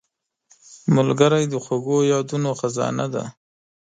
ملګری د خوږو یادونو خزانه ده